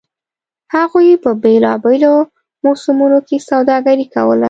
هغوی په بېلابېلو موسمونو کې سوداګري کوله.